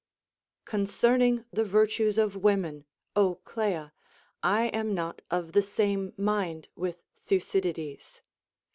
CoNCERNWG the virtues of women, Ο Clea, I am not of the same mind with Thucydides.